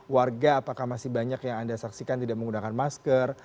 warga apakah masih banyak yang anda saksikan tidak menggunakan masker